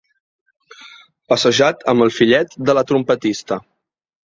Passejat amb el fillet de la trompetista.